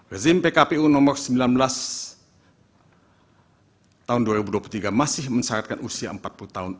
rezim pkpu nomor sembilan belas tahun dua ribu dua puluh tiga masih mensyaratkan usia empat puluh tahun